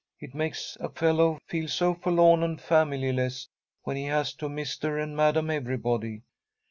"It makes a fellow feel so forlorn and familyless when he has to mister and madam everybody."